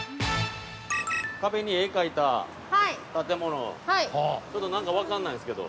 ◆壁に絵を描いた建物、ちょっと何か分かんないんすけど。